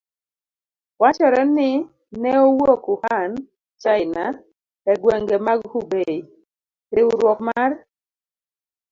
Wachore ni ne owuok Wuhan, China, e gwenge mag Hubei: Riwruok mar